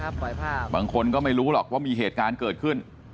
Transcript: บางคนก็ไม่รู้หรอกว่ามีเหตุการณ์เกิดขึ้น